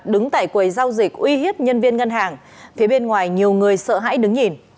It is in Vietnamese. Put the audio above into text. đứng tại quầy giao dịch uy hiếp nhân viên ngân hàng phía bên ngoài nhiều người sợ hãy đứng nhìn